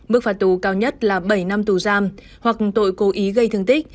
mức phạt tù cao nhất là bảy năm tù giam hoặc tội cố ý gây thương tích